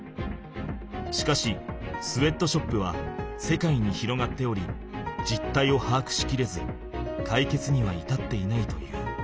しかしスウェットショップは世界に広がっておりじったいをはあくしきれずかいけつにはいたっていないという。